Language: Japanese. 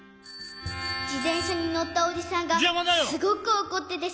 じてんしゃにのったおじさんがすごくおこっててさ。